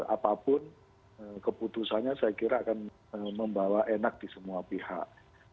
apapun keputusannya saya kira akan membawa enak di semua pihak